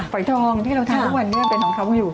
ปลอยดองที่เราทั้งทุกวันเป็นของเขามาอยู่